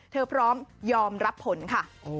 พร้อมยอมรับผลค่ะ